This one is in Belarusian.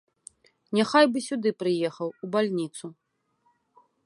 Няхай бы сюды прыехаў, у бальніцу.